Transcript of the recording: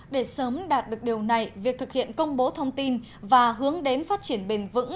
để sớm đạt được điều này việc thực hiện công bố thông tin và hướng đến phát triển bền vững